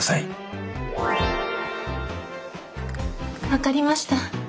分かりました。